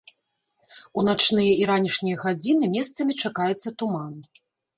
У начныя і ранішнія гадзіны месцамі чакаецца туман.